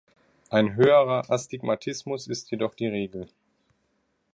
Ein höherer Astigmatismus ist jedoch die Regel.